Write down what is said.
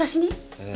ええ。